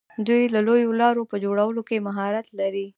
دوی د لویو لارو په جوړولو کې مهارت لري.